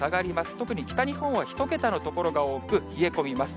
特に北日本は１桁の所が多く、冷え込みます。